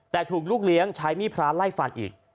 แต่ถูกลูกเลี้ยงใช้มีดพระไล่ฟันอีก